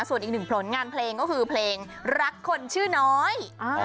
ส่วนอีกหนึ่งผลงานเพลงก็คือเพลงรักคนชื่อน้อย